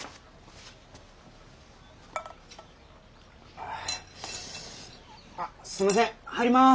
あっすいません入ります。